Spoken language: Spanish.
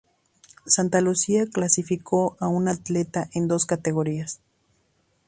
Santa Lucía clasificó a un atleta en dos categorías.